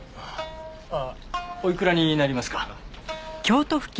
ああおいくらになりますか？